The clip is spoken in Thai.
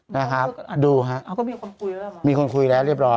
นะครับดูครับอ่ะมีคนคุยแล้วเรียบร้อย